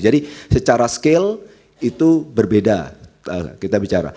jadi secara skill itu berbeda